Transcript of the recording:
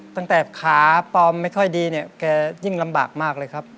ตั้งแต่ขาปลอมไม่ค่อยดีเนี่ยแกยิ่งลำบากมากเลยครับ